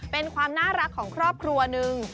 เป็นความน่ารักของครอบครัวนึง